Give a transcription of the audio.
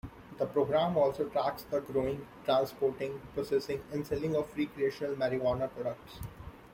The program also tracks the growing, transporting, processing and selling of recreational marijuana products.